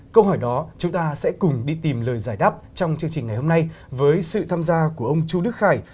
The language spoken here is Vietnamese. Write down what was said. câu hỏi đó chúng ta sẽ cùng đi tìm lời giải đáp trong chương trình ngày hôm nay với sự tham gia của ông chu đức khải